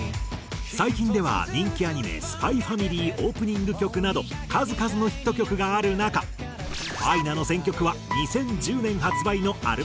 最近では人気アニメ『ＳＰＹ×ＦＡＭＩＬＹ』オープニング曲など数々のヒット曲がある中アイナの選曲は２０１０年発売のアルバム収録曲。